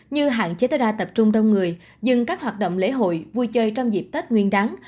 như hạn chế tối đa tập trung đông người dừng các hoạt động lễ hội vui chơi trong dịp tết nguyên đáng